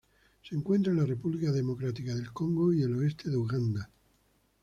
Se encuentra en la República Democrática del Congo y el oeste de Uganda.